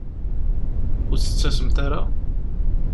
Ur d-tettasemt ara?